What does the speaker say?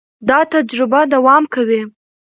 دا تجربه دوام کوي.